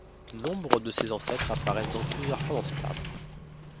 Nombre de ses ancêtres apparaissent donc plusieurs fois dans cet arbre.